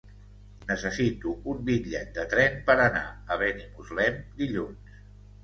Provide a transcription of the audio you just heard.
Necessito un bitllet de tren per anar a Benimuslem dilluns.